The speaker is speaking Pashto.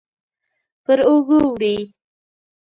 پر اوږو وړي